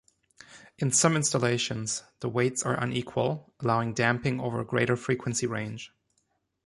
In some installations, the weights are unequal, allowing damping over a greater frequency range.